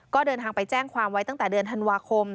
ก็เดินทางไปแจ้งความไว้ตั้งแต่เดือนธันวาคม